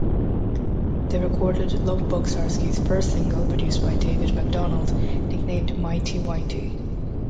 They recorded Lovebug Starski's first single produced by David MacDonald nicknamed "Mighty Whitey".